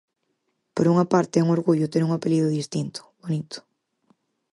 Por unha parte é un orgullo ter un apelido distinto, bonito.